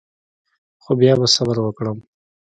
خو بیا به صبر وکړم.